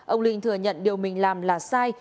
ông linh thừa nhận điều mình làm là sai